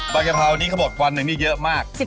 บ่ายกะเพรานี่ขบดควันนึงนี่เยอะมาก